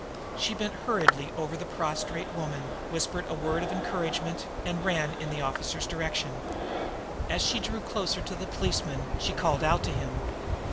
She bent hurriedly over the prostrate woman, whispered a word of encouragement, and ran in the officer's direction. As she drew closer to the policeman, she called out to him.